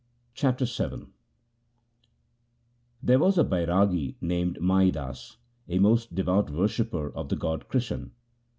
Chapter VII There was a Bairagi named Mai Das, a most devout worshipper of the god Krishan.